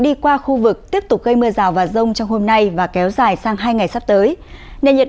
đi qua khu vực tiếp tục gây mưa rào và rông trong hôm nay và kéo dài sang hai ngày sắp tới nền nhiệt